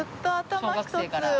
小学生からへえ！